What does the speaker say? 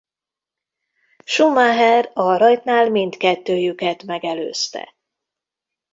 Schumacher a rajtnál mindkettőjüket megelőzte.